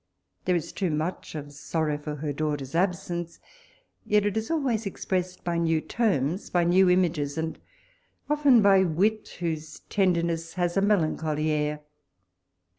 There is too much of sorrow or her daughter's absence ; yet it is always expressed liy new terms, by new images, and often by wit, whose tenderness has a melancholy air.